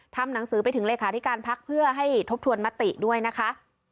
ทำหนังสือไปถึงเลขาธิการพักเพื่อให้ทบทวนมติด้วยนะคะ